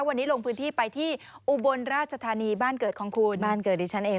วันนี้ลงพื้นที่ไปที่อุบลราชธานีบ้านเกิดของคุณบ้านเกิดดิฉันเอง